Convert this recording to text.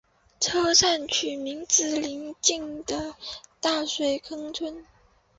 车站取名自邻近的大水坑村。